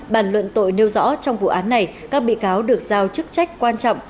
bản luận tội nêu rõ trong vụ án này các bị cáo được giao chức trách quan trọng